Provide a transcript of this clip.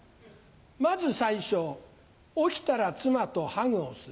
先ず最初起きたら妻とハグをする。